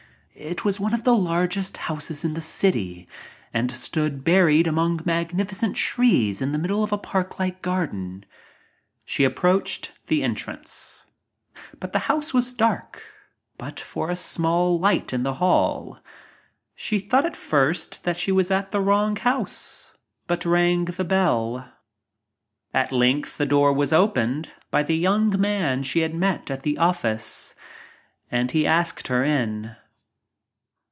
It was one of the largest houses in the city and stood buried among magnificent trees in the middle of a park like garden. She approached the But the house was dark, but for a small light in the hall. She thought at first that she was at the wrong house, but rang the bell. At length the door was opened by the young man she had 'met at the office and he asked her in.